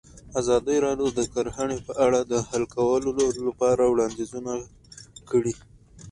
ازادي راډیو د کرهنه په اړه د حل کولو لپاره وړاندیزونه کړي.